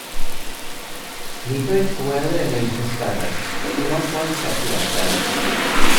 Nid oedd gwely yn ein hystafell, dim ond blancedi ar y llawr!